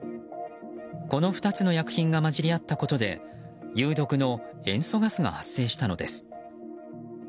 この２つの薬品が混じり合ったことで有毒の塩素ガスが発生したのです。